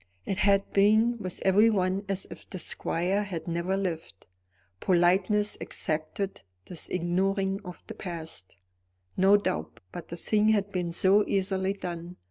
It had been with everyone as if the squire had never lived. Politeness exacted this ignoring of the past, no doubt; but the thing had been so easily done.